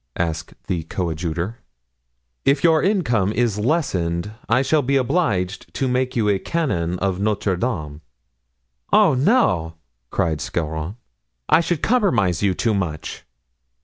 asked the coadjutor; "if your income is lessened I shall be obliged to make you a canon of Notre Dame." "Oh, no!" cried Scarron, "I should compromise you too much."